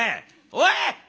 おい！